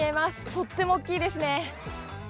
とっても大きいですね。